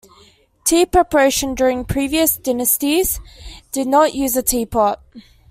Tea preparation during previous dynasties did not use a teapot.